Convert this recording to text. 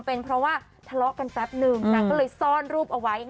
เป็นเพราะว่าทะเลาะกันแป๊บนึงนางก็เลยซ่อนรูปเอาไว้